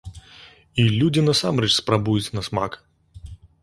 І людзі насамрэч спрабуюць на смак!